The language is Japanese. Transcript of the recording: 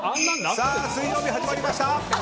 水曜日、始まりました。